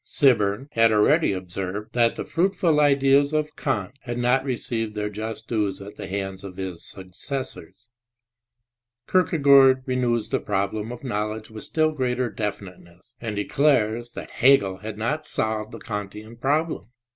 Sibbern had already observed that the fruitful ideas of Kant had not received their just dues at the hands of his successors. Kierkegaard renews the problem of knowledge with still greater defmiteness, and declares that Hegel had not solved the Kantian problem.